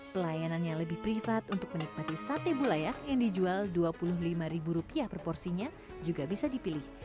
pelayanan yang lebih privat untuk menikmati sate bulayak yang dijual rp dua puluh lima per porsinya juga bisa dipilih